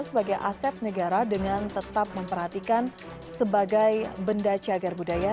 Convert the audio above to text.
sebagai aset negara dengan tetap memperhatikan sebagai benda cagar budaya